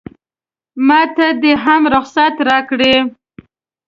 ماته دې هم رخصت راکړي.